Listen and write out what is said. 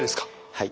はい。